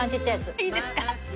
いいですか？